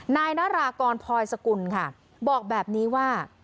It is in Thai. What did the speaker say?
นายนารากรพลอยสกุลค่ะบอกแบบนี้ว่า